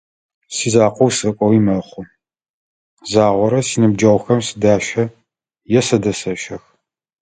Сизакъоу сыкӏоуи мэхъу, загъорэ синыбджэгъухэм сыдащэ, е сэ дэсэщэх.